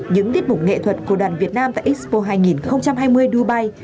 những tiết mục nghệ thuật của đoàn việt nam tại expo hai nghìn hai mươi dubai